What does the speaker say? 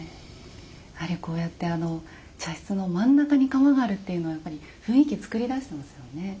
こうやって茶室の真ん中に釜があるっていうのはやっぱり雰囲気作り出してますよね。